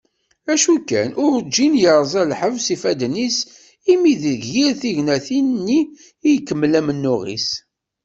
Acu kan, urǧin yerẓa lḥebs ifadden-is imi deg yir tignatin-nni ikemmel amennuɣ-is.